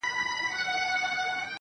که يې منې زيارت ته راسه زما واده دی گلي_